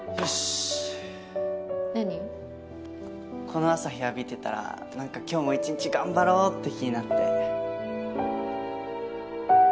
この朝日浴びてたらなんか今日も一日頑張ろう！って気になって。